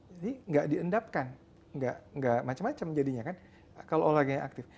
jadi nggak diendapkan nggak macam macam jadinya kan kalau olahraganya aktif